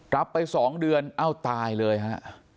รับไป๒เดือนเอ้าตายเลยฮะ